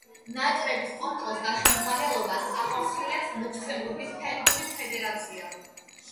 ნაკრების კონტროლს და ხელმძღვანელობას ახორციელებს ლუქსემბურგის ფეხბურთის ფედერაცია.